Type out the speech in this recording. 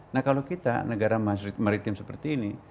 nah kalau kita negara maritim seperti ini